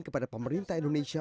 kepada pemerintah indonesia